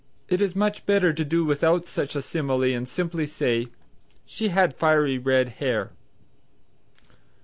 It is much better to do without such a simile and simply say "She had fiery red hair."